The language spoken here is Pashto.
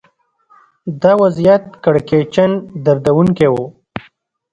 دا وضعیت کړکېچن دردونکی و